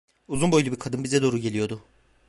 Uzun boylu bir kadın bize doğru geliyordu.